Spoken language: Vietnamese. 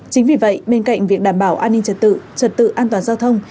chính vì vậy bên cạnh việc đảm bảo an ninh trật tự trật tự an toàn giao thông